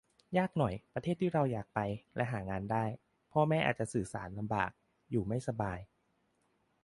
ยากหน่อย ประเทศที่เราอยากไปและหางานได้ พ่อแม่อาจจะสื่อสารลำบาก อยู่ไม่สบาย